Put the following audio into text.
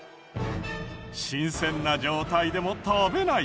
新鮮な状態でも食べない。